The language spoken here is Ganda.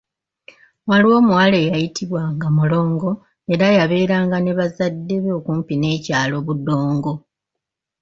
Waaliwo omuwala eyayitibwa nga Mulongo era yabeeranga ne bazadde be, okumpi n'ekyalo Budongo.